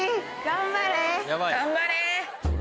頑張れ。